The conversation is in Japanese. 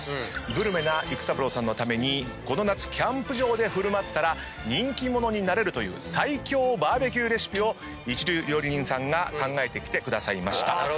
グルメな育三郎さんのためにこの夏キャンプ場で振る舞ったら人気者になれるという最強バーベキューレシピを一流料理人さんが考えてきてくださいました。